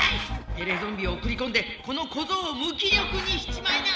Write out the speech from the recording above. テレゾンビをおくりこんでこのこぞうをむ気力にしちまいな！